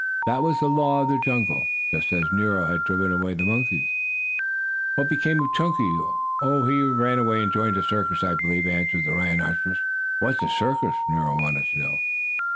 That was the law of the jungle, just as Nero had driven away the monkeys. "What became of Chunky? Oh, he ran away and joined a circus, I believe," answered the rhinoceros. "What's a circus?" Nero wanted to know.